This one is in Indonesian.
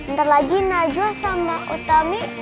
ntar lagi najo sama utami